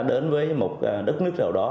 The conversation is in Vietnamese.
đến với một đất nước nào đó